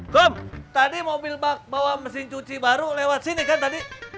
kom tadi mobil bawa mesin cuci baru lewat sini kan tadi